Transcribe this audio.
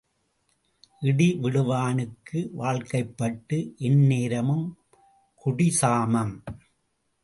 இடி விழுவானுக்கு வாழ்க்கைப்பட்டு எந்நேரமும் குடி சாமம்.